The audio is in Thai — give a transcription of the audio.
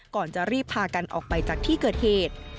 ก่อนจะรีบพากันออกไปจากที่เกิดเหตุ